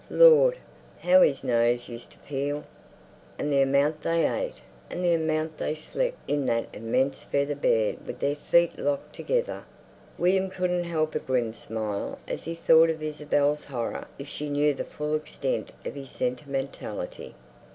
Lord! how his nose used to peel! And the amount they ate, and the amount they slept in that immense feather bed with their feet locked together.... William couldn't help a grim smile as he thought of Isabel's horror if she knew the full extent of his sentimentality.